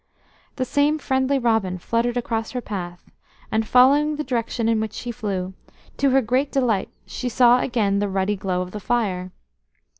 The same friendly robin fluttered across her path, and, following the direction in which he flew, to her great delight she saw again the ruddy glow of the fire.